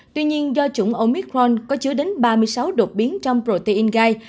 tuy nhiên do chủng omicron có chứa đến ba mươi sáu đột biến trong protein guide